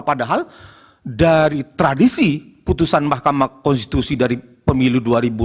padahal dari tradisi putusan mahkamah konstitusi dari pemilu dua ribu sembilan belas